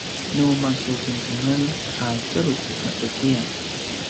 nu masukincengelj a tjelu a tukiyan